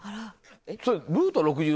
それ。